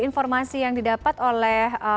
informasi yang didapat oleh